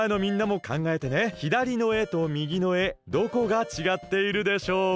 ひだりのえとみぎのえどこがちがっているでしょうか？